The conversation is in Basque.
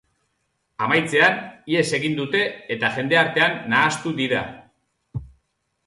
Amaitzean, ihes egin dute eta jende artean nahastu dira.